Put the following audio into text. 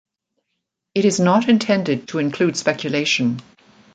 It is not intended to include speculation.